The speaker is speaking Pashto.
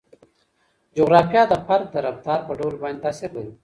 جغرافیه د فرد د رفتار په ډول باندې تاثیر لري.